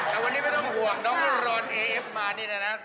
แต่วันนี้ไม่ต้องห่วงน้องรอนเอเอฟมานี่นะครับ